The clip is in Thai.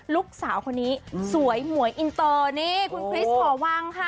ลุคสาวคนนี้สวยเหม่อยอินเตอร์นี่คุณคริสต์ขอวางคะ